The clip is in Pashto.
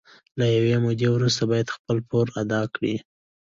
له یوې مودې وروسته باید خپل پور ادا کړي